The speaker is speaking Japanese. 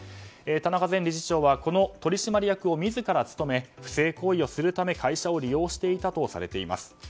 田中前理事長は取締役を自ら務め不正行為をするため会社を利用していたとされています。